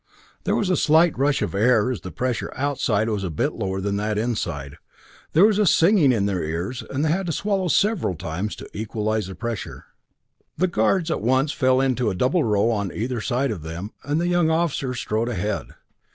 There was a slight rush of air, as the pressure outside was a bit lower than that inside. There was a singing in their ears, and they had to swallow several times to equalize the pressure. The guards at once fell into a double row on either side of them, and the young officer strode ahead.